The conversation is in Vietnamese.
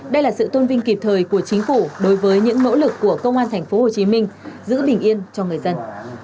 đây là sự tôn vinh kịp thời của chính phủ đối với những nỗ lực của công an tp hcm giữ bình yên cho người dân